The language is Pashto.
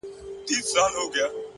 خندا د روح ارامي ده!.